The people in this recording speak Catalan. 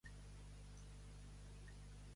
A Vivers, guilles.